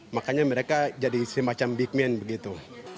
makanya mereka jadi semacam big man begitu